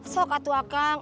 sok katu akang